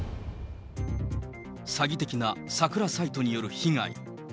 詐欺的なサクラサイトによる被害。